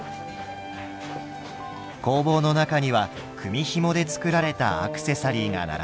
工房の中には組みひもで作られたアクセサリーが並んでいました。